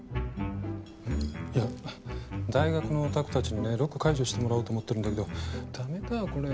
いや大学のオタクたちにねロック解除してもらおうと思ってるんだけどダメだこれ。